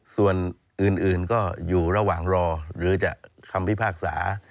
ส่วนอื่นก็อยู่ระหว่างรอหรือจะคำพิพากษา